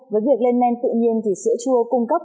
với việc lên men tự nhiên thì sữa chua cung cấp